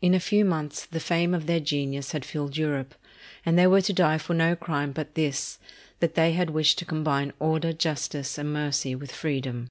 In a few months the fame of their genius had filled Europe; and they were to die for no crime but this, that they had wished to combine order, justice, and mercy with freedom."